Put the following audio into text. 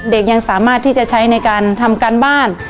ยังสามารถที่จะใช้ในการทำการบ้าน